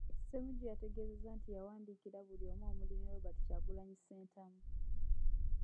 Ssemujju yategeezezza nti yawandiikira buli omu omuli ne Robert Kyagulanyi Ssentamu.